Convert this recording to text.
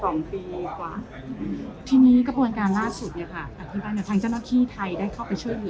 สองปีกว่าทีนี้กระบวนการล่าสุดเนี้ยค่ะอธิบายเนี่ยทางเจ้าหน้าที่ไทยได้เข้าไปช่วยเหลือ